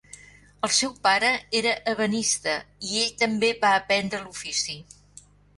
El seu pare era ebenista i ell també va aprendre l'ofici.